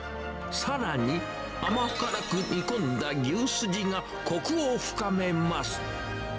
さらに、甘辛く煮込んだ牛筋が、こくを深めます。